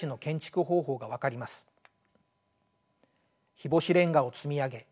日干しレンガを積み上げ